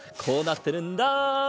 こうなってるんだ。